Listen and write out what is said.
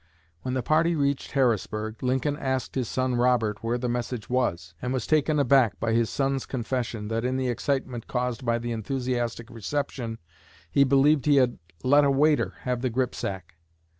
When the party reached Harrisburg Lincoln asked his son Robert where the message was, and was taken aback by his son's confession that in the excitement caused by the enthusiastic reception he believed he had let a waiter have the gripsack.